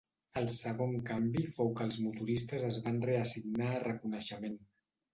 El segon canvi fou que els motoristes es van reassignar a reconeixement.